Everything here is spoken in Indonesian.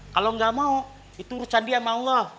kalau nggak mau itu urusan dia sama allah